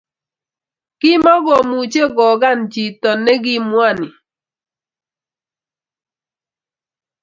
kimakomuche kokan chiton nekimwani